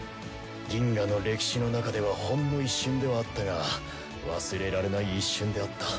銀河の歴史の中ではほんの一瞬ではあったが忘れられない一瞬であった。